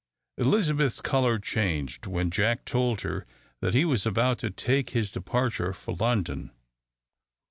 Elizabeth's colour changed when Jack told her that he was about to take his departure for London.